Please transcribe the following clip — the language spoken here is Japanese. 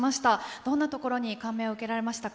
どんなところに感銘を受けられましたか？